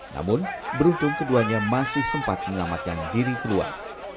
namun beruntung keduanya masih sempat menyelamatkan diri keluar